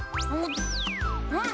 うん！